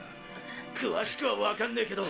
詳しくは分かんねぇけど。